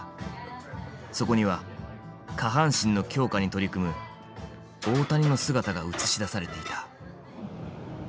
そこには下半身の強化に取り組む大谷の姿が映し出されていた。